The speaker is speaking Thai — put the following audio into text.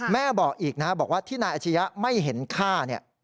แม่บอกอีกนะครับบอกว่าที่นายอัจฉียะไม่เห็นข้า